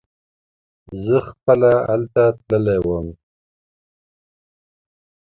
زه خپله هلته تللی وم.